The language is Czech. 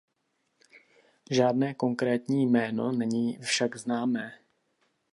Žádné konkrétní jméno není však známé.